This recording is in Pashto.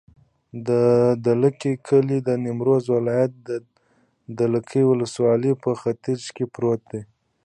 د دلکي کلی د نیمروز ولایت، دلکي ولسوالي په ختیځ کې پروت دی.